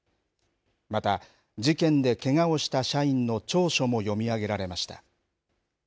また、事件でけがをした社員の調書も読み上げられました。